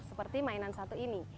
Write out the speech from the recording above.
seperti mainan satu ini